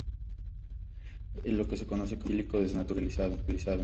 Es lo que se conoce como "alcohol etílico desnaturalizado".